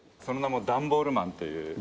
その名もダンボールマンという。